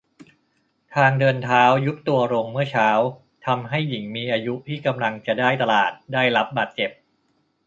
ทางเดินเท้ายุบตัวลงเมื่อเช้า ทำให้หญิงมีอายุที่กำลังจะได้ตลาดได้รับบาดเจ็บ